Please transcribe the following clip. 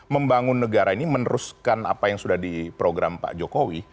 membangun negara ini meneruskan apa yang sudah di program pak jokowi